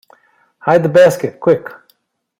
Hide the basket, quick!